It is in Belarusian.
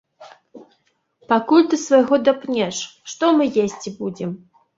Пакуль ты свайго дапнеш, што мы есці будзем?